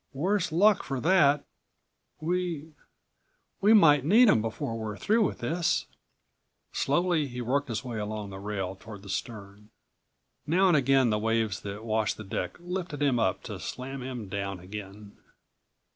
Worse luck for that! We—we might need 'em before we're through with this." Slowly he worked his way along the rail toward the stern. Now and again the waves that washed the deck lifted him up to slam him down again.